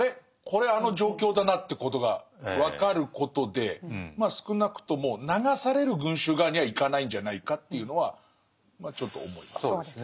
これあの状況だなってことが分かることでまあ少なくとも流される群衆側には行かないんじゃないかっていうのはまあちょっと思います。